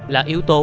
là yếu tố